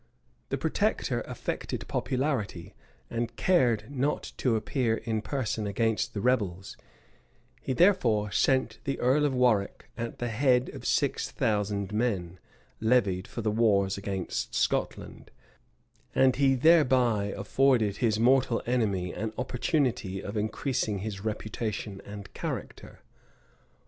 [*] The protector affected popularity, and cared not to appear in person against the rebels; he therefore sent the earl of Warwick at the head of six thousand men, levied for the wars against Scotland; and he thereby afforded his mortal enemy an opportunity of increasing his reputation and character.